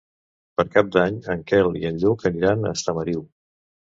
Per Cap d'Any en Quel i en Lluc aniran a Estamariu.